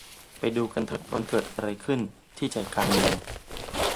ไปดูกันเถอะว่าเกิดอะไรขึ้นที่ใจกลางเมือง